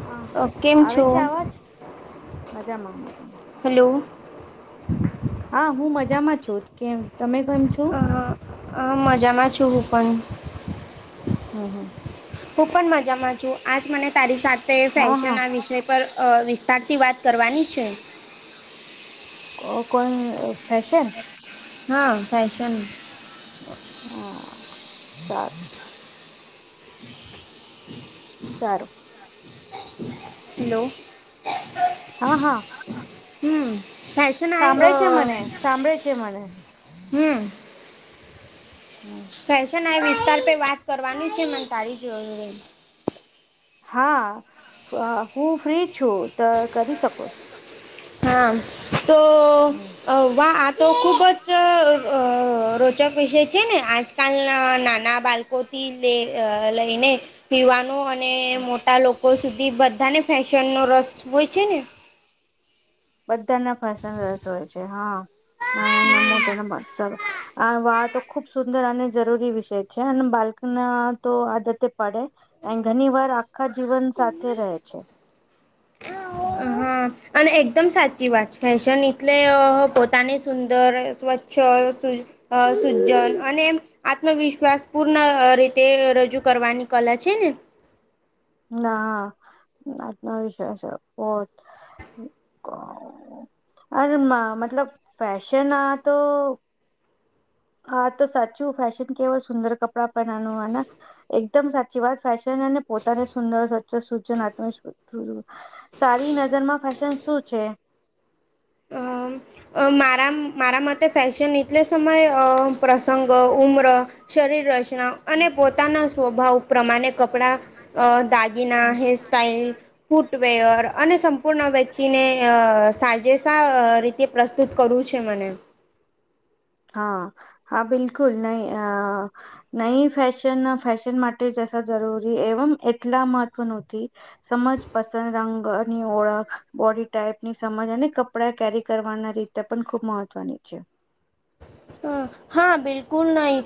હા અ કેમ આવે છે છો? આવાજ મજામાં મજામાં હલો હા હું મજામાં છું કે તમે કેમ છો હ-હ મજામાં છું હું પણ હમ હા હું પણ મજામાં છું આજ મને તારી સાથે હા હા ફેશનના વિષય પર વિસ્તારથી વાત કરવાની છે. ઓ કોણ ફેશન હા ફેશન હા સારું હમ સારું હલો હા-હા હમ ફેશન આ સાંભળે અ છે, મને સાંભળે છે, મને હમ હમ ફેશન આ વિસ્તાર પે વાત કરવાની છે, મને તારી જોય હા હું ફ્રી છું તો કરી શકોસ. હા તો હમ વા તો ખુબ જ રોચક વિષય છે, ને આજકાલના નાના બાળકો થી લઈને પીવાનો અને હા. મોટા લોકો સુધી બધાને ફેશનનો રસ હોય છે, ને બધા ના ફેશન રસ હોય છે હા નાનાના મોટા ના આ વા તો ખુબ સુંદર અને જરૂરી વિષય છે અને બાલક ના તો આદતે પડે એ ઘણી વાર આખા જીવન સાથે રહે છે. હા અને એકદમ સાચી વાત છે, ફેશન એટલે પોતાની સુંદર સ્વ્છ છ સુ સુજ્જન અને એમ આત્મવિશ્વાસ પૂર્ણ રીતે રજૂ કરવાની કલા છે, ને ના આત્મવિશ્વાસ અ મતલબ ફેશન આ તો હા તો સાચું ફેશન કેવા સુંદર કપડાં પહેનાવાનું એકદમ સાચી વાત ફેશન અને પો સુંદર સ્વચ્છ સૂજનત્મ સારી નજર માં ફેશન શું છે? અ મારા મારા મતે ફેશન એટલે સમયે અ પ્રસંગ ઉમ્રરો શરીર રચના અને પોતાના સ્વભાવ પ્રમાણે કપડાં દાગી ના હે સ્ટાઇલ ફૂટવેયર અને સંપૂર્ણ વ્યક્તિને સાજેેશ રી તે પ્રસ્તુત કરવું છે મને હા-હા બિલકુલ નહી અ ન ફેશન ફેશન માટે જસા જરૂરી એવમ એટલા મહત્વ નથી સમજ પસંદ રંગ ની ઓળખ બોડી ટાઈપની સમજ અને કપડા કેરી કરવાના રીતે તે પણ ખૂબ મહત્વની છે. હા બિલકુલ નહી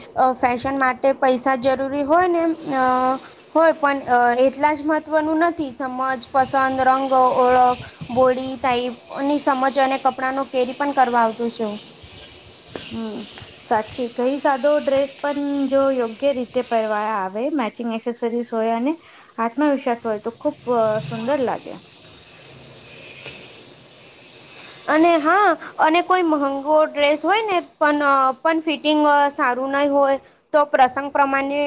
ફેશન માટે પૈસા જરૂરી હોય ને અ હોય પણ એટલા જ મહત્વનું નથી સમજ, પસંદ, રંગો ઓળખ બોડી ટાઈપની સમજ અને કપડા ની કેરી પણ કરવા આવતું છુ. હમ સાચી કઈ સાદો ડ્રેસ પણ જો યોગ્ય રીતે પહેરવા આવે મે સરીસ હોય અને આત્મવિશ્વાસ હોય તો ખૂબ સુંદર લાગે. અને હા અને કોઈ મહંગો ડ્રેસ હોય ને પણ પણ ફિટ સારું નહી હોય તો પ્રસંગ પ્રમાણે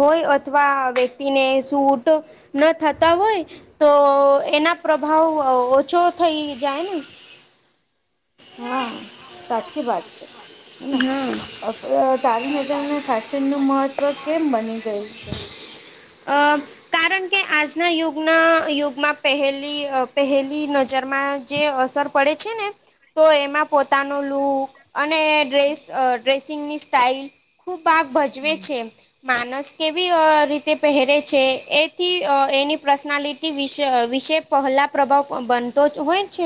હોય અથવા વ્યક્તિને સૂટ ન થતા હોય તો એના પ્રભાવ ઓછો થઈ જાય ને હા સાચી વાત છે. હેના હમ તારી નજરને ફેશન નું મહત્વ કેમ બની ગયું છે? અ કારણ કે આજના યુગના યુગમાં પહેલી પહેલી ન જરમાં જે અસર પડે છે ને તો એમાં પોતાનો લુક અને ડ્રેસ ડ્રેસિંગની સ્ટાાઈલ ખૂબ ભાગ ભજવે હમ છે માણસ કેવી રીતે પહેરે છે એથી એની પર્સનાલિટી વિશે વિશે પહેલા પ્રભાવ બનતો હોય છે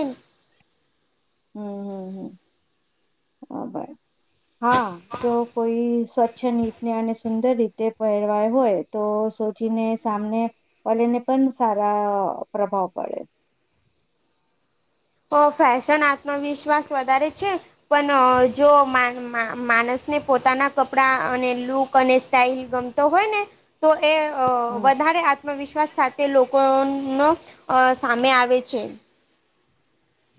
[unintelligible] હા જો કોઈ સ્વચ્છ ની અને સુંદર રીતે પહેરવાય હોય તો સોચીને સામને પલીને પણ સારા પ્રભાવ પડે તો ફેશન આત્મવિશ્વાસ વધારે છે. પણ જો માણસને પોતાના કપડા અને લુક અને સ્ટાઈલ ગમ હોય ને તો એ હમ વધારે આત્મવિશ્વાસ સાથે લોકોનો સામે આવે છે.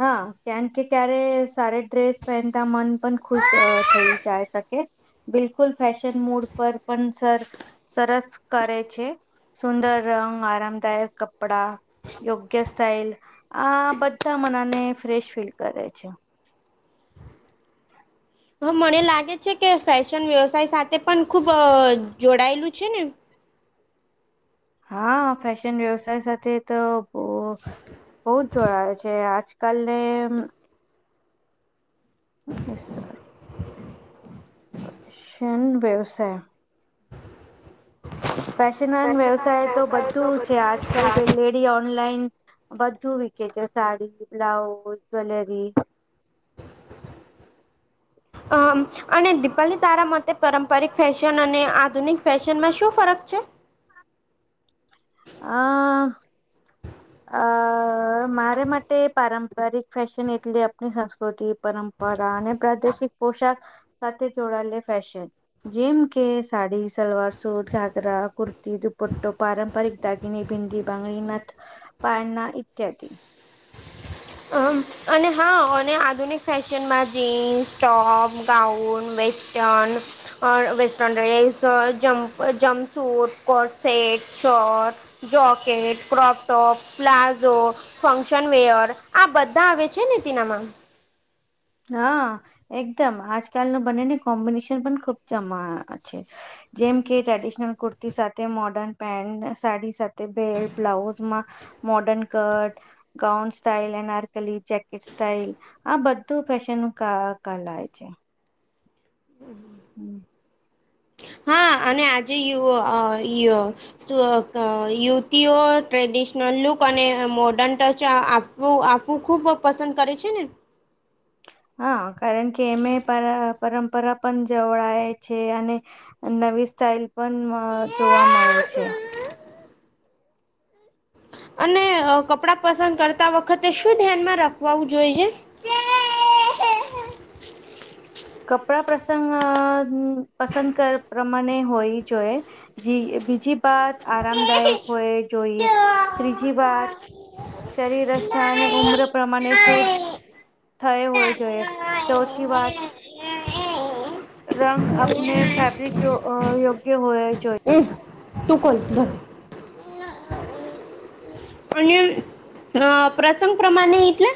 હા કમ કે ક્યારે સારી ડ્રેસ પહેનતા મન પણ ખુશ થઈ જાય શકે બિલકુલ ફેશન મોડ પર પણ સર સરસ કરે છે સુંદર રંગ આરામદાયક કપડાં યોગ્ય સ્ટાઈલ આ બધા મનને ફ્રેશ ફીલ કરે છે. હા મને લાગે છે કે ફેશન વ્યવસાય સાથે પણ ખુબ જોડાયેલું છે ને હા ફેશન વ્યવસાય સાથે તો બ બહુ જ જોડ આવે છે આ [unintelligible] એસ સર શેનું વ્યવસાય ફેશન વ્યવસાય તો બધું છે આજકાલ બે ડી ઓનલાઈન બધું વેકે છે સાડી બ્લાઉઝ જ્વેલરી આમ અને દિપાલી તારા માટે પારંપરિક ફેશન અને આધુનિક ફેશનમાં શું ફરક છે? હ આ મારે માટે માટે પારંપરિક ફેશન એટલે આપણી સંસ્કૃતિ પરંપરા અને પ્રાદેશિક પોશાક સાથે જોડાયેલી ફેશન જેમ કે સાડી સલવાર સૂટ ઘાઘરા કુર્તી દુપટ્ટો પારંપરિક દાગિની બિંદી બંગડી નથ પાયલ ઇત્યાદિ... અને હા અને આધુનિક ફેશનમાં jeans, top gown waste turn western dress, jump jump suit, કોડસેટ, short jacket, crop top, palazzo function wear આ બધા આવે છે ને તેનામાં? હા એકદમ આજકાલ ન બનેને કોમ્બિનેશન પણ ખુબ જમા છે. જેમ કે ટ્રેડિશનલ કુર્તી સાથે મોર્ડર્ન પેન્ટ, સાડી સાથે બેલ્ટ બ્લાઉઝમાં મોર્ડર્ન કરટ gown style anarkali jacket style આ બધ તું ફેશન કા ક લય છે હ હમ અને આજે યુ યુવતીઓ ટ્રેડિશનલ લુક અને મોર્ડન ટચ બ આપવું ખૂબ પસંદ કરે છે ને હા કારણ કે એમે પર પરંપરા પણ જવળાય છે અને નવી સ્ટાાઈલ પણ જોવા મળે છે અને કપડાં પસંદ કરતા વખતે શું ધ્યાનમાં રાખવું જોઈ છે [inaudible] કપડા પ્રસંગ પસંદ કર પ્રમાણે હોઈ જોઈએ. બીજી બાત આરામદાયક હોય જોઈએ ત્રીજી વાત શરીર રચના અને ઉમ્ર પ્રમાણે શુદ્ધ થય હોય જોઈએ ચૌથી વાત રંગ આપણે ફેબ્રિક યોગ્ય હોય જોયે તું કોલ [unintelligible] અને [inaudible] અ પ્રસંગ પ્રમાણે એટલે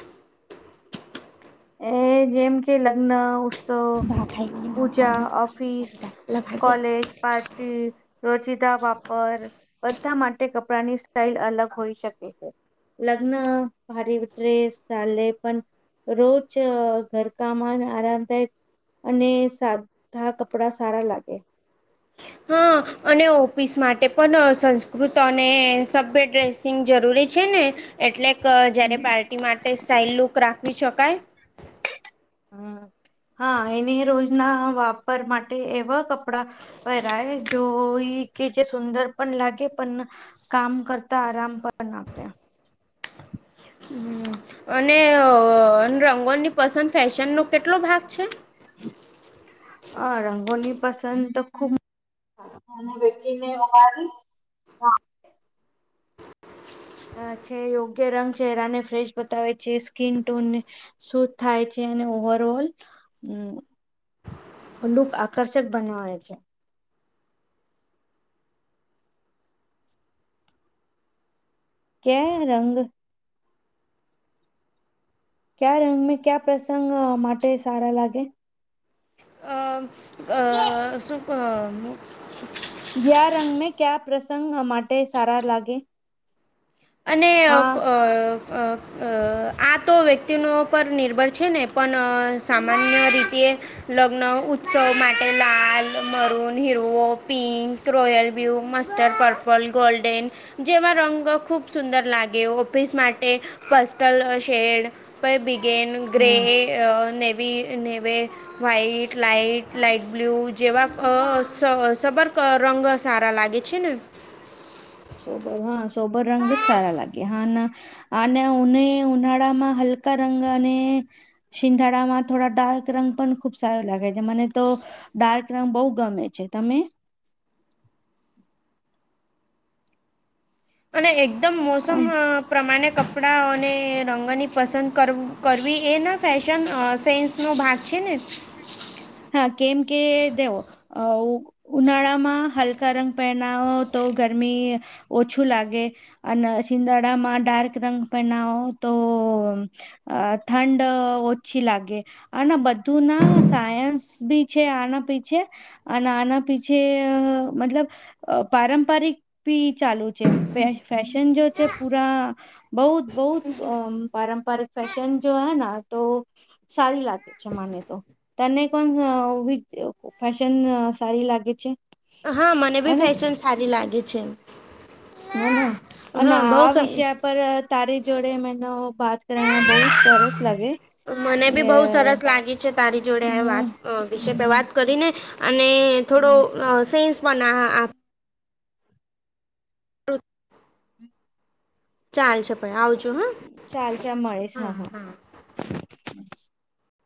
એ જેમ કે લગ્ન ઉત્સવ પૂજા ઓફિસ ભાઈ કોલેજ પા રોચિદા વાપર બધા માટે કપડાની સ્ટાઈલ અલગ હોઈ શકે છે. લગ્ન ભારી ડ્રેસ ચાલે પણ રોજ ચ ઘર કામાન આરામદાયક અને સાધા કપડા સારા લાગે હા અને ઓફિસ માટે પણ સંસ્કૃત અને સભ્ય ડ્રેસ સિંગ જરૂરી છે ને એટલે ક જ્યારે હમ. પાર્ટી માટે સ્ટાઈલ લુક રાખવી શકાય. હમ. [inaudible] હા એને રોજના વાપર માટે એવા કપડા [inaudible] જોઈ કે જે સુંદર પણ લાગે પણ કામ કરતા આરામ પણ આપ્યા હમ [unintelligible] અને રંગોની પસંદ ફેશન નો કેટલો ભાગ છે અ રંગોની પસંદ તો ખુબ [unintelligible] આછે યોગ્ય રંગ ચેહરાને ફ્રેશ બતાવે છે સ્કીિન ટોનને શું થાય છે અને ઓવરઓલ હમ. લુક આકર્ષક બનાવે છે. કે રંગ ક્યા રંગમે ક્યા પ્રસંગ માટે સારા લાગે અહ [unintelligible] કયા રંગ મે ક્યા પ્રસંગહ માટે સારા લાગે અને હા અહ અ અ આ તો વ્યક્તિનો પર નિર્ભર છે ને પણ સામાન્ય રીતે લગ્ન ઉત્સવ માટે લાલ મરૂન હીરવો પિંક રોયલ વ્યુ મસ્ટર્ડ પર્પલ ગોલ્ડન જેવા રંગ ખૂબ સુંદર લાગે ઓફિસ માટે પસ્ટ [unintelligible] લ શેડ ફાઇ બિગેન ગ્રે હમ નવી નવેદ વાઈટ લાઈટ લાઈટ બ્લુ જેવા અ હ સબરકરંગ સારા લાગે છે ને સોબર હા સોબર રંગજ સારા લાગે હા ના અને નક્કી ઉને ઉનાળામાં હલકા રંગ અને શિયાળા માં થોડા ડાર્ક રંગ પણ ખુબ સારો લાગે છે મને તો ડાર્ક રંગ બહુ ગમે છે તમે અને એકદમ મોસમ પ્રમાણે કપડાં અને રંગોની પસંદ કર કરવી એના ફેશન સેન્સ નો ભાગ છે ને હા કેમ કે તૈઓ અવો ઉનાળામાં હલકા રંગ પહેનાવો તો ગરમી ઓછું લાગે અને સિંધાડામાં ડાર્ક રંગ પહેનાવો તો અ ઠંડ ઓછી લાગે આના બધું ના સાયન્સ બી છે આના પીછે અને આના પીછે મતલબ અ પારંપારિક ભી ચાલુ છે ફેશન જો છે પૂરા બહુ બહ પારંપરિક ફશન જો હૈ ના તો સારી લાગે છે માને તો. તને કોભી ફેશન સાડી લાગે છે. હા મને બી હને ફેશન સારી લાગે છે. હને અને હા બહુ આ વિષ પર તારે જોડે મન બાત કરના બહત સરસ લાગે. મને બી એ બહુ સરસ લાગી છે તારી જોડે આ વાત હમ વિશે હમ વાત કરી ને. અને થોડો હ સેન્સ પણ ચાલ છે પણ આવજો હા ચાલ ચાલ મળીશ હા હા.